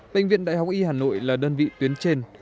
bệnh viện đại học y hà nội là đơn vị tuyến trên